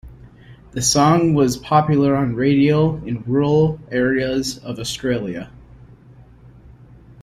The song was popular on radio in rural areas of Australia.